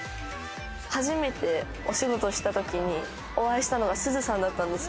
初めてお仕事をした時に、お会いしたのがすずさんだったんです。